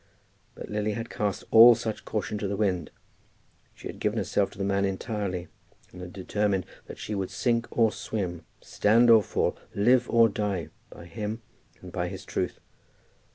But Lily had cast all such caution to the winds. She had given herself to the man entirely, and had determined that she would sink or swim, stand or fall, live or die, by him and by his truth.